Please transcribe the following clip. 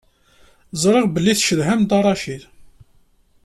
Ẓriɣ belli tcedham Dda Racid.